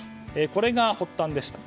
これが発端でした。